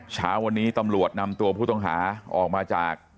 เช้าวันนี้ตำรวจนำตัวผู้ต้องหาออกมาจาก